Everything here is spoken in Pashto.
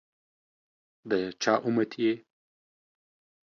دچا اُمتي يی؟